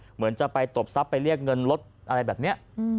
เหมือนจะไปตบทรัพย์ไปเรียกเงินรถอะไรแบบนี้